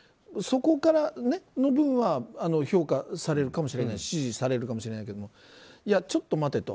その分は評価されるかもしれない支持されるかもしれないけれどもいや、ちょっと待てと。